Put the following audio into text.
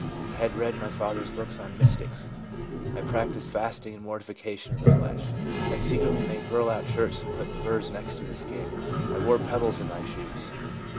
I had read my father's books on the mystics. I practised fasting and mortification of the flesh. I secretly made burlap shirts and put the burs next the skin, and wore pebbles in my shoes.